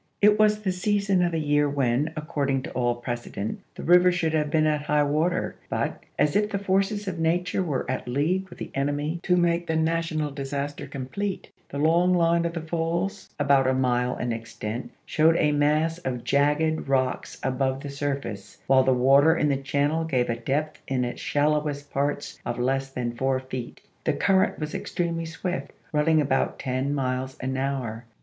It was the season of the year when, according to all precedent, the river should have been at high water, but, as if the forces of nature were at league with the enemy to make the National disaster com plete, the long line of the falls, about a mile in ex tent, showed a mass of jagged rocks above the surface, while the water in the channel gave a depth in its shallowest parts of less than four feet. The current was extremely swift, running about ten miles an hour.